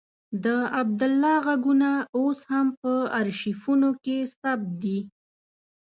د عبدالله غږونه اوس هم په آرشیفونو کې ثبت دي.